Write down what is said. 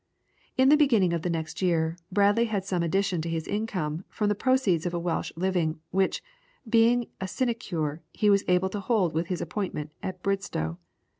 In the beginning of the next year, Bradley had some addition to his income from the proceeds of a Welsh living, which, being a sinecure, he was able to hold with his appointment at Bridstow.